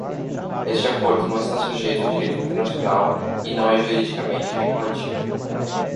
Este acordo não está sujeito ao direito internacional e não é juridicamente vinculativo.